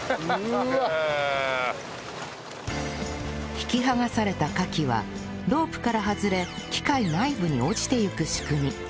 引き剥がされたカキはロープから外れ機械内部に落ちていく仕組み